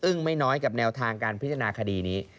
ไม่น้อยกับแนวทางการพิจารณาคดีนี้